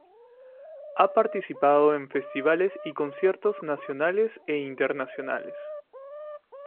Ha participado en festivales y conciertos nacionales e internacionales.